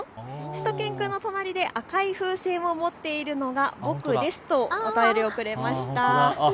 しゅと犬くんの隣で赤い風船を持っているのが僕ですとお便りをくれました。